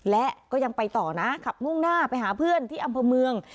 และก็ยังไปต่อนะขับมุ่งหน้าไปหาเพื่อนที่อำเภอเมือง